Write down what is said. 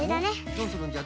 どうするんじゃ？